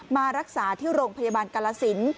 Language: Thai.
มารักษาที่โรงพยาบาลกาลสิน